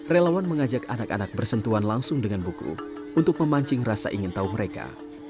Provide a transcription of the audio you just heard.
relawan mengajak anak anak bersentuhan langsung dengan buku untuk memancing rasa ingin tahu mereka